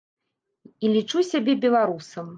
І лічу сябе беларусам.